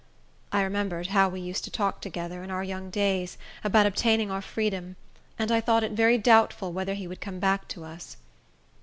I remembered how we used to talk together, in our young days, about obtaining our freedom, and I thought it very doubtful whether he would come back to us.